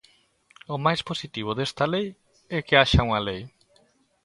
O máis positivo desta lei é que haxa unha lei.